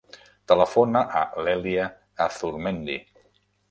Telefona a l'Èlia Azurmendi.